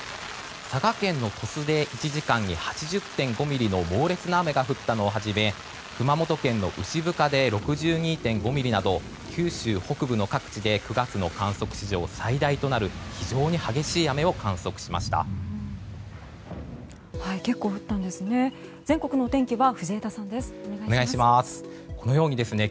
佐賀県の鳥栖で１時間に８０．５ミリの猛烈な雨が降ったのをはじめ熊本県の牛深で６２．５ミリなど九州北部の各地で９月の観測史上最大となる非常に激しい雨を結構降ったんですね。